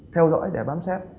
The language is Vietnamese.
theo dõi để bám sát